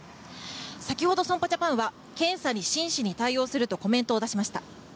先ほど損保ジャパンは検査に真摯に対応するとコメントを出しました。